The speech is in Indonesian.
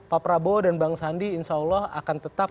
pak prabowo dan bang sandi insya allah akan tetap